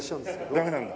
ダメなんだ？